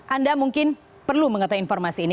anda mungkin perlu mengetahui informasi ini